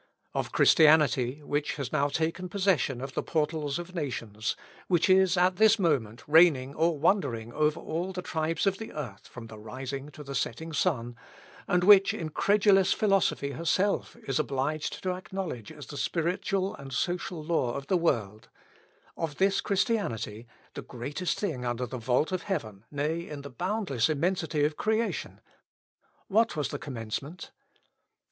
Of Christianity, which has now taken possession of the portals of nations, which is, at this moment, reigning or wandering over all the tribes of the earth from the rising to the setting sun, and which incredulous philosophy herself is obliged to acknowledge as the spiritual and social law of the world of this Christianity, (the greatest thing under the vault of heaven, nay, in the boundless immensity of Creation,) what was the commencement?